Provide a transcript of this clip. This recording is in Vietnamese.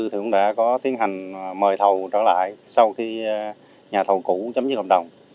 thì cũng đã có tiến hành mời thầu trở lại sau khi nhà thầu cũ chấm dứt hợp đồng